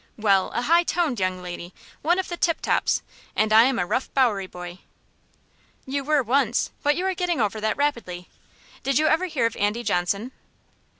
"Well, a high toned young lady one of the tip tops, and I am a rough Bowery boy." "You were once, but you are getting over that rapidly. Did you ever hear of Andy Johnson?"